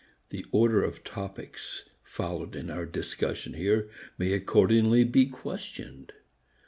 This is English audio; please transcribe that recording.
The order of topics followed in our discussion may accordingly be questioned.